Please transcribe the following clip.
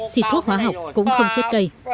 xịt thuốc hóa học cũng không chết cây